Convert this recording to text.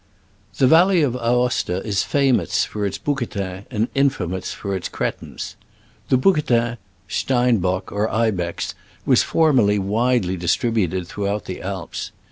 THE valley of Aosta is famous for its bouquetins and infamous for its cretins. The bouquetin, steinbock, or ibex, was formerly widely distributed throughout the Alps.